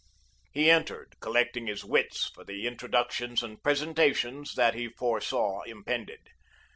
He entered, collecting his wits for the introductions and presentations that he foresaw impended.